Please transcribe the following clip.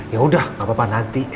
ya udah gak apa apa nanti